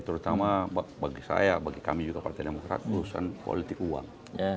terutama bagi saya bagi kami juga partai demokrat urusan politik uang